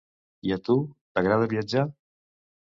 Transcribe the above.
I a tu, t'agrada viatjar?